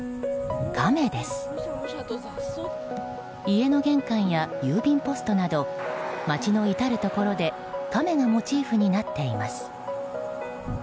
家の玄関や郵便ポストなど街の至るところでカメがモチーフになっています。